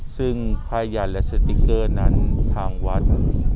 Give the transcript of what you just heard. ซึ่งภายัตรและสติกเกอร์นั้นทางวัตด์